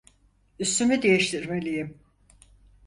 Üstümü değiştirmeliyim.